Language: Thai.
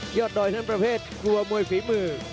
ยอดดอยนั้นประเภทกลัวมวยฝีมือ